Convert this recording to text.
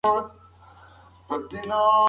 د خلکو رفتار یو تر بل توپیر لري.